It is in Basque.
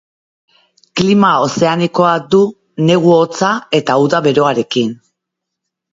Klima ozeanikoa du, negu hotza eta uda beroarekin.